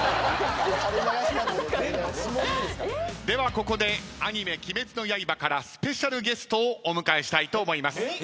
ではここでアニメ『鬼滅の刃』からスペシャルゲストをお迎えしたいと思います。